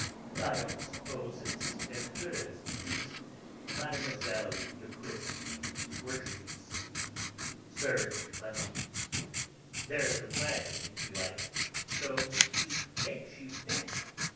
I don't suppose it's as good as the piece Mme. de Crécy worships, Serge Panine. There's a play, if you like; so deep, makes you think!